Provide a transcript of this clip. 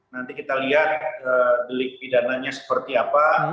nanti kita lihat delik pidananya seperti apa